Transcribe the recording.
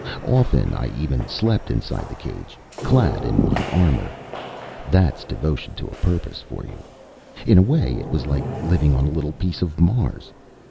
Often I even slept inside the cage, clad in my armor. That's devotion to a purpose for you. In a way, it was like living on a little piece of Mars.